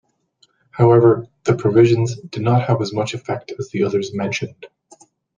However, the provisions did not have as much effect as the others mentioned.